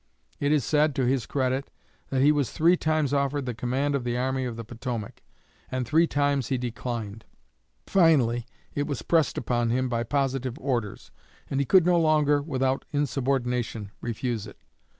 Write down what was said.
It is said, to his credit, that he was three times offered the command of the Army of the Potomac, and three times he declined. Finally it was pressed upon him by positive orders, and he could no longer, without insubordination, refuse it.